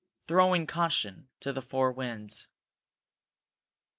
throwing caution to the four winds.